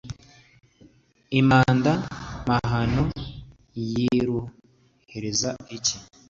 i mabanda, mahano yiruhiriza iki ?